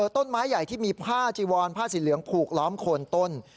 ต้นไม้ใหญ่ที่มีผ้าจีวอนผ้าสีเหลืองผูกล้อมโคนต้น